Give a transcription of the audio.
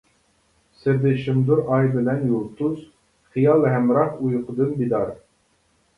سىردىشىمدۇر ئاي بىلەن يۇلتۇز، خىيال ھەمراھ ئۇيقۇدىن بىدار.